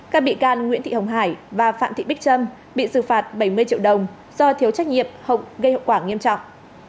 các bị can nguyễn thị hồng hải và phạm thị bích trâm bị xử phạt bảy mươi triệu đồng do thiếu trách nhiệm hậu gây hậu quả nghiêm trọng